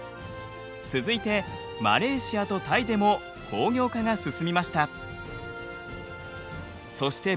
続いてマレーシアとタイでも工業化が進みました。